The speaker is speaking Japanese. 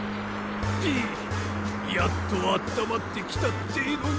ピやっとあったまってきたってえのに。